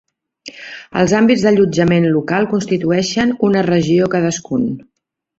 Els àmbits d'allotjament local constitueixen una regió cadascun.